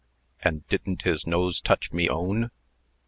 And didn't his nose touch me own?"